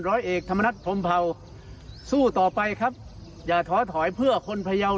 ร้อยเอกธรรมนัฐพรมเผาสู้ต่อไปครับอย่าท้อถอยเพื่อคนพยาว